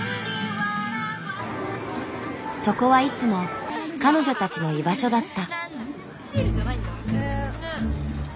そこはいつも彼女たちの居場所だった。